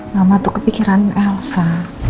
mama tuh kepikiran elsa